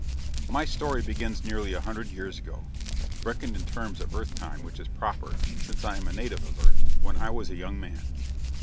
My story begins nearly a hundred years ago reckoned in terms of Earth time, which is proper, since I am a native of Earth when I was a young man.